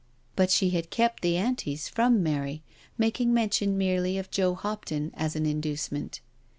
But she had kept the Antis from Mary, making mention merely of Joe Hopton, as an inducement.